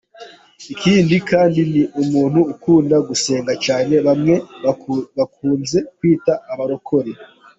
Ikindi kandi ni umuntu ukunda gusenga cyane, bamwe bakunze kwita abarokore.